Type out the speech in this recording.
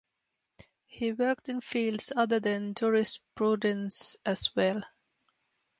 He worked in fields other than jurisprudence as well.